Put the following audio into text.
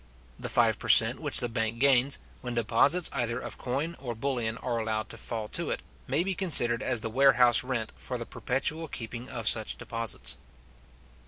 The five per cent. which the bank gains, when deposits either of coin or bullion are allowed to fall to it, maybe considered as the warehouse rent for the perpetual keeping of such deposits.